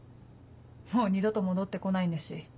もう二度と戻って来ないんだし。